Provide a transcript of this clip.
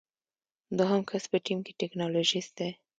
دوهم کس په ټیم کې ټیکنالوژیست دی.